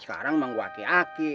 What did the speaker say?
sekarang mau aki aki